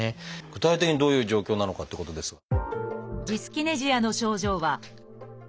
具体的にどういう状況なのかってことですが。